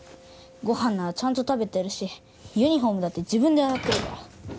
ご飯ならちゃんと食べてるしユニホームだって自分で洗ってるから。